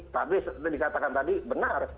tapi seperti dikatakan tadi benar